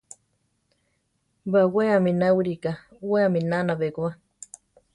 Bawé aminá wiriká, we aminána bekoba.